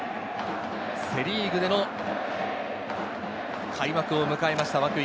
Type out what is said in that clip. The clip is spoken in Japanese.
セ・リーグでの開幕を迎えました涌井。